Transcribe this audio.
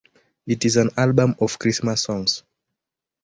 It is an album of Christmas songs.